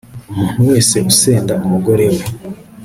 umuntu wese usenda umugore we